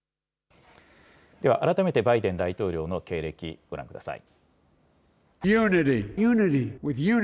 では改めてバイデン大統領の経歴、ご覧ください。